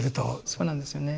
そうなんですよね。